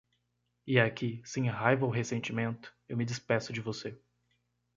E aqui, sem raiva ou ressentimento, eu me despeço de você.